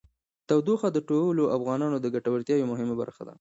تودوخه د ټولو افغانانو د ګټورتیا یوه مهمه برخه ده.